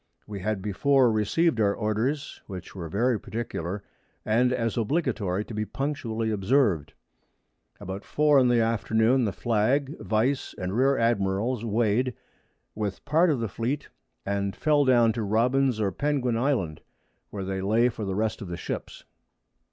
We had before received our Orders, which were very particular, and as obligatory to be punctually observed. About 4 in the Afternoon the Flag, Vice and Rear Admirals weigh'd, with part of the Fleet, and fell down to Robins or Penguin Island, where they lay for the rest of the Ships.